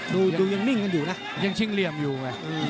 ดูยังนิ่งกันอยู่นะยังชิงเหลี่ยมอยู่ไง